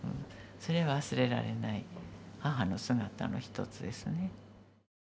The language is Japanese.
それ忘れられない母の姿の一つですね。